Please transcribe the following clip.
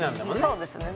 そうですね。